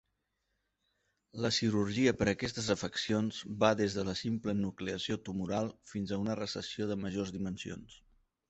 La cirurgia per a aquestes afeccions va des de la simple enucleació tumoral fins a una resecció de majors dimensions.